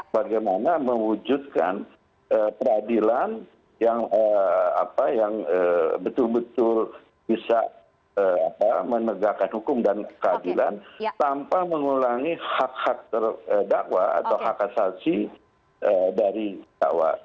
bagaimana mewujudkan peradilan yang betul betul bisa menegakkan hukum dan keadilan tanpa mengulangi hak hak terdakwa atau hak asasi dari dakwa